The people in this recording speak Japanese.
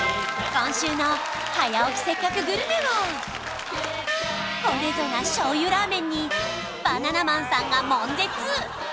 今週の「早起きせっかくグルメ！！」はこれぞな醤油ラーメンにバナナマンさんが悶絶！